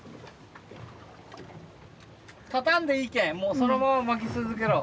立たんでいいけんもうそのまま巻き続けろ。